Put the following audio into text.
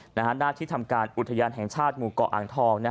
หน้าที่ทำการอุทยานแห่งชาติหมู่เกาะอ่างทอง